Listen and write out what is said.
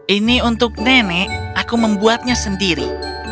ini untuk nenek aku membuatnya sendiri